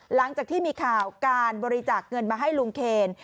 หลังจากที่มีข่าวการบริจาคเงินมาให้ลุงเคน